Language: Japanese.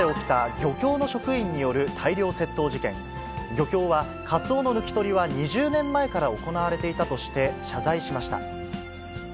漁協はカツオの抜き取りは２０年前から行われていたとして、謝罪しました。